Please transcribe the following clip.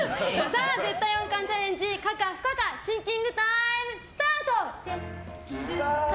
絶対音感チャレンジ可か不可かシンキングタイムスタート！